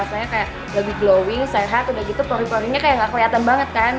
soalnya kayak lebih glowing sehat udah gitu prori porinya kayak gak kelihatan banget kan